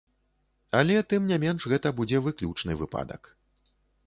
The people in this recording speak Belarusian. Але тым не менш, гэта будзе выключны выпадак.